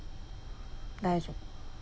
大丈夫。